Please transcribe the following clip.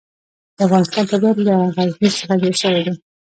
د افغانستان طبیعت له غزني څخه جوړ شوی دی.